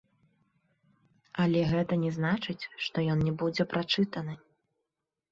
Але гэта не значыць, што ён не будзе прачытаны.